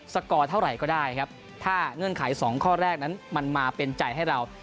สกอร์เท่าไหร่ก็ได้ครับถ้าเงื่อนไขสองข้อแรกนั้นมันมาเป็นใจให้เรา